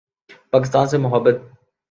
پاکستان سے محبت